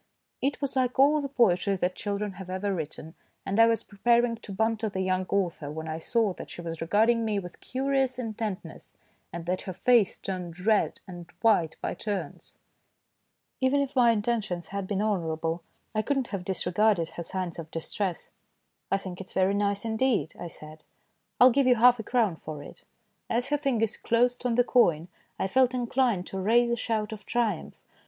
It was like all 166 THE DAY BEFORE YESTERDAY the poetry that children have ever written, and I was preparing to banter the young author when I saw that she was regarding me with curious intentness, and that her face turned red and white by turns. Even if my intentions had been honourable I could not have disregarded her signs of dis tress. "I think it's very nice indeed," I said ;" I'll give you half a crown for it." As her fingers closed on the coin I felt inclined to raise a shout of triumph.